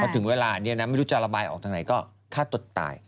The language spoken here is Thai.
ถึงเวลานี้นะไม่รู้จะระบายออกทางไหนก็ฆ่าตัวตาย